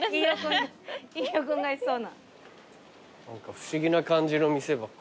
不思議な感じの店ばっか。